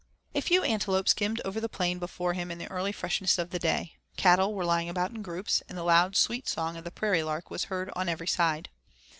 A few antelope skimmed over the plain before him in the early freshness of the day. Cattle were lying about in groups, and the loud, sweet song of the prairie lark was' heard on every side.